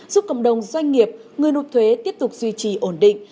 giúp cộng đồng doanh nghiệp người nộp thuế tiếp tục duy trì ổn định